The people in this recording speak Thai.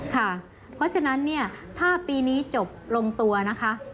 ค่ะเพราะฉะนั้นเนี่ยถ้าปีนี้จบลงตัวนะคะ